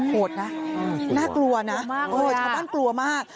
โหดนะน่ากลัวนะชาวบ้านกลัวมาก